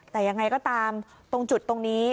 แต่ยังไงก็ตามตรงจุดตรงนี้